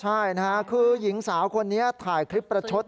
หญิงสาวคนนี้ถ่ายคลิปประชุด